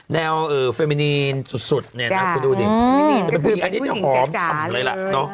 แนวเฟมินีนสุดเนี่ยนะคุณดูดิอันนี้จะหอมชำเลยละ